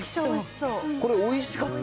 これ、おいしかった。